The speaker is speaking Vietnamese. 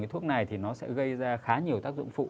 thuốc này thì nó sẽ gây ra khá nhiều tác dụng phụ